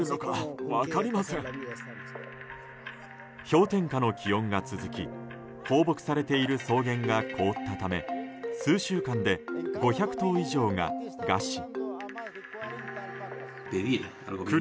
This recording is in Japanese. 氷点下の気温が続き放牧されている草原が凍ったため数週間で５００頭以上が餓死。